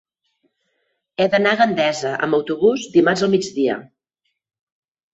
He d'anar a Gandesa amb autobús dimarts al migdia.